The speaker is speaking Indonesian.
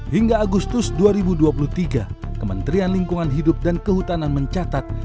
hingga agustus dua ribu dua puluh tiga kementerian lingkungan hidup dan kehutanan mencatat